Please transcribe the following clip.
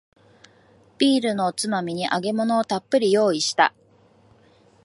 ビールのおつまみに揚げ物をたっぷり用意した